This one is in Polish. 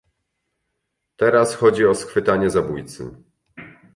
"Teraz chodzi o schwytanie zabójcy."